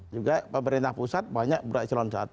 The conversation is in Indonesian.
juga pemerintah pusat banyak berat eselon i